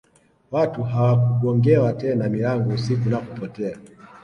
Watu hawakugongewa tena milango usiku na kupotea